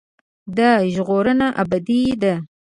دا ژغورنه ابدي ده.